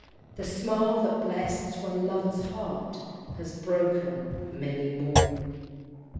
The smile that blest one lover's heart Has broken many more!